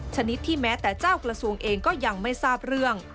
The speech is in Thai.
ชนิดที่แม้แต่เจ้ากระทรวงเองก็ยังไม่ทราบเรื่อง